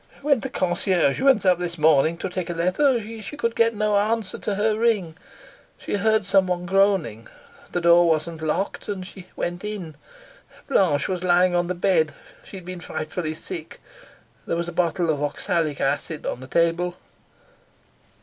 "When the concierge went up this morning to take a letter she could get no answer to her ring. She heard someone groaning. The door wasn't locked, and she went in. Blanche was lying on the bed. She'd been frightfully sick. There was a bottle of oxalic acid on the table."